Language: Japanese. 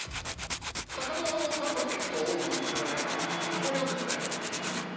魚の数は結構多いもんですからね、豊漁ですね。